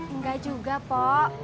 enggak juga po